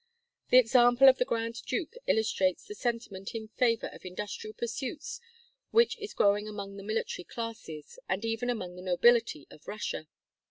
The example of the grand duke illustrates the sentiment in favor of industrial pursuits which is growing among the military classes, and even among the nobility, of Russia.